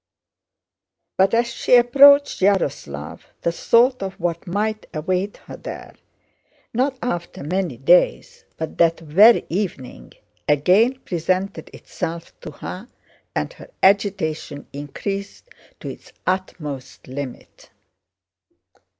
But as she approached Yaroslávl the thought of what might await her there—not after many days, but that very evening—again presented itself to her and her agitation increased to its utmost limit.